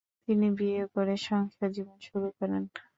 তিনি বিয়ে করে সংসার জীবন শুরু করেন।